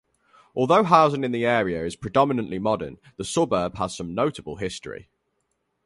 Although housing in the area is predominantly modern, the suburb has some notable history.